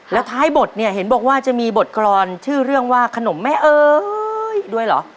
แล้วท้ายบทเนี่ยเห็นบอกว่าจะมีบทกรอนชื่อเรื่องว่าขนมแม่เอ๋ยด้วยเหรอ